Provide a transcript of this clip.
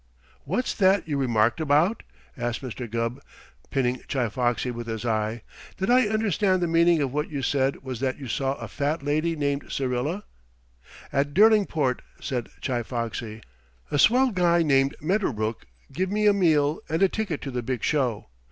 "What's that you remarked about?" asked Mr. Gubb, pinning Chi Foxy with his eye. "Did I understand the meaning of what you said was that you saw a Fat Lady named Syrilla?" "At Derlingport," said Chi Foxy. "A swell guy named Medderbrook give me a meal and a ticket to the big show.